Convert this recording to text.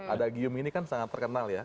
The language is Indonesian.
ada agium ini kan sangat terkenal ya